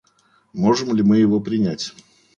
Можем ли мы его принять?